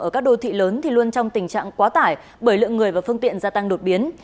ở các đô thị lớn thì luôn trong tình trạng quá tải bởi lượng người và phương tiện gia tăng đột biến